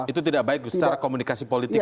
itu tidak baik secara komunikasi politik